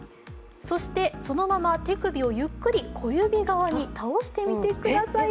そして、そのまま手首をゆっくり小指側に倒してみてください。